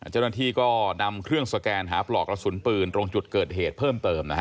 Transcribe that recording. เจ้าหน้าที่ก็นำเครื่องสแกนหาปลอกกระสุนปืนตรงจุดเกิดเหตุเพิ่มเติมนะฮะ